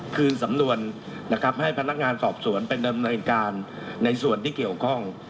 คืนสำนวนนะครับให้พนักงานสอบสวนเป็นดำเนินการในส่วนที่เกี่ยวข้อง